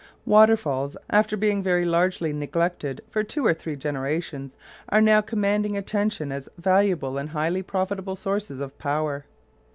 Waterfalls, after being very largely neglected for two or three generations, are now commanding attention as valuable and highly profitable sources of power.